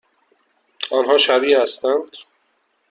آنها شبیه هستند؟